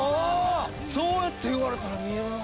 そうやって言われたら見えるなぁ。